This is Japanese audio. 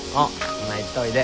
ほな行っといで。